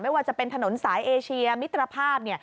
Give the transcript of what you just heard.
ว่าจะเป็นถนนสายเอเชียมิตรภาพ